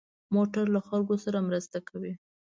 موټر له خلکو سره مرسته کوي.